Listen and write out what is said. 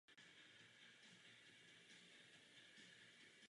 Dříve snad na místě kostela stála starší stavba.